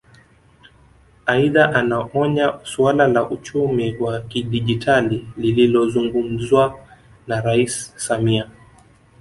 Aidha anaonya suala la uchumi wa kidigitali lililozungumzwa na Rais Samia